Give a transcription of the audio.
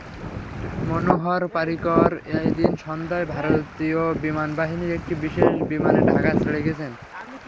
মনোহর পারিকর এদিন সন্ধ্যায় ভারতীয় বিমানবাহিনীর একটি বিশেষ বিমানে ঢাকা ছেড়ে গেছেন।